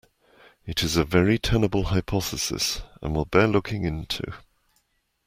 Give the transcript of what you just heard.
It is a very tenable hypothesis, and will bear looking into.